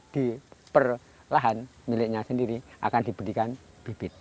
di per lahan miliknya sendiri akan diberikan bibit